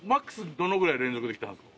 どのぐらい連続で来てますか？